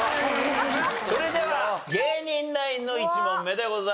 それでは芸人ナインの１問目でございます。